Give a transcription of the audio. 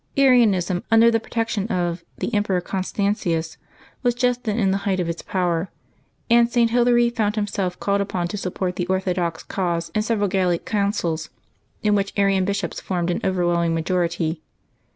Arianism, under the protection of the Emperor Constantius, was just then in the height of its power, and St. Hilary found himself called upon to support the orthodox cause in several Gallic councils, in which Arian bishops formed an overwhelming majority.